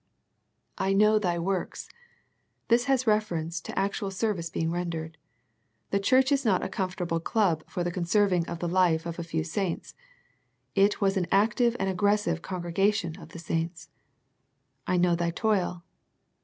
" I know thy works." This has reference to actual service being rendered. The church was not a comfortable club for the conserving of the life of a few saints. It was an active and aggressive congregation of the saints. " I know thy toil."